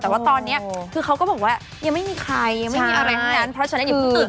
แต่ว่าตอนนี้คือเขาก็บอกว่ายังไม่มีใครยังไม่มีอะไรทั้งนั้นเพราะฉะนั้นอย่าเพิ่งตื่น